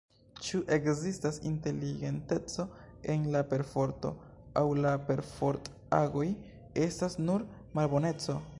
Ĉu ekzistas inteligenteco en la perforto, aŭ la perfort-agoj estas nur malboneco?